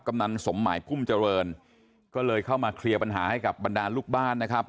ำนันสมหมายพุ่มเจริญก็เลยเข้ามาเคลียร์ปัญหาให้กับบรรดาลูกบ้านนะครับ